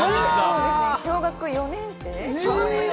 小学４年生？